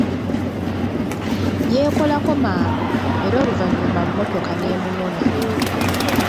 Yeekolako mangu, era oluvanyuma mmotoka n'emunona.